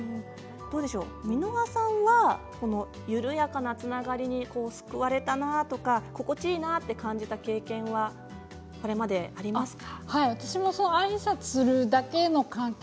箕輪さんはこの緩やかなつながりに救われたなとか心地いいなと感じた経験はこれまでありますか？